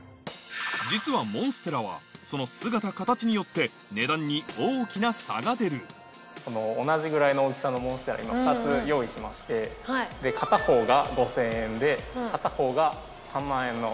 実はモンステラはその姿形によって値段に大きな差が出るこの同じぐらいの大きさのモンステラ２つ用意しまして片方が５０００円で片方が３万円の。